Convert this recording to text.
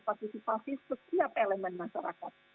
partisipasi setiap elemen masyarakat